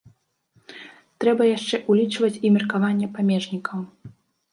Трэба яшчэ ўлічваць і меркаванне памежнікаў.